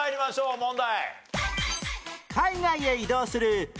問題。